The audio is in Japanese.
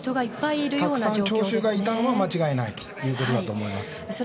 たくさん聴衆がいたのは間違いないと思います。